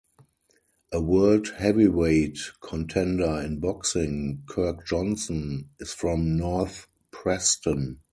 A World Heavyweight contender in boxing, Kirk Johnson, is from North Preston.